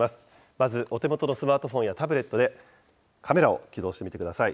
まずお手元のスマートフォンやタブレットでカメラを起動してみてください。